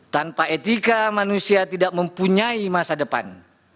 tanpa etika manusia tidak mempunyai masa depan